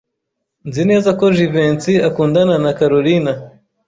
Nzi neza ko Jivency akundana na Kalorina.